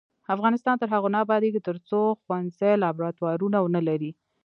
افغانستان تر هغو نه ابادیږي، ترڅو ښوونځي لابراتوارونه ونه لري.